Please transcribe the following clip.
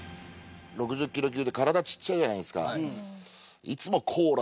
６０キロ級で体ちっちゃいじゃないですか。